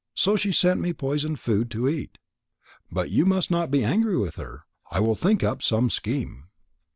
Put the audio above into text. So she sent me poisoned food to eat. But you must not be angry with her. I will think up some scheme."